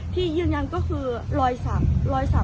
ที่ยืนยันก็คือรอยสัก